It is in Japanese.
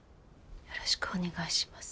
よろしくお願いします。